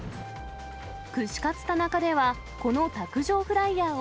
串カツ田中では、この卓上フライヤーを、